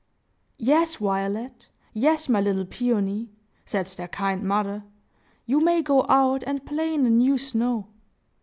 "Yes, Violet,—yes, my little Peony," said their kind mother, "you may go out and play in the new snow."